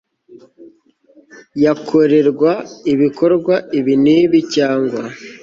yakorerwa ibikorwa ibi n ibi cyangwa